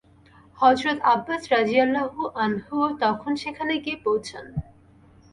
হযরত আব্বাস রাযিয়াল্লাহু আনহুও তখন সেখানে গিয়ে পৌঁছান।